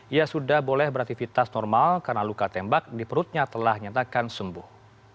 ia sudah boleh beraktivitas normal karena luka tembak di perutnya telah nyatakan sembuh